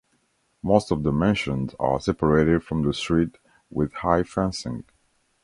Most of the mansions are separated from the street with high fencing.